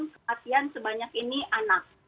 kematian sebanyak ini anak